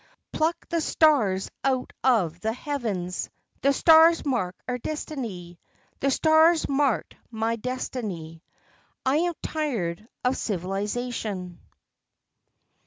Pluck the stars out of the heavens. The stars mark our destiny. The stars marked my destiny. I am tired of civilization.